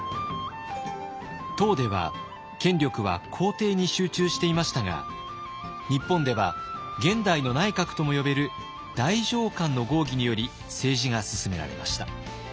唐では権力は皇帝に集中していましたが日本では現代の内閣とも呼べる太政官の合議により政治が進められました。